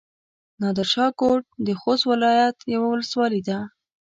نادرشاه کوټ د خوست ولايت يوه ولسوالي ده.